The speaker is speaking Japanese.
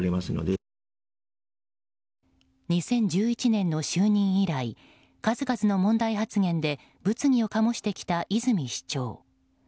２０１１年の就任以来数々の問題発言で物議を醸してきた泉市長。